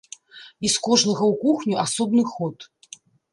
І з кожнага ў кухню асобны ход.